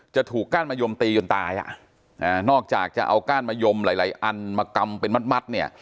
จะถูกก้านมะยมตีจนตายอ่ะนอกจากจะเอาก้านมะยมหลายอันมากำเป็นมัดเนี่ย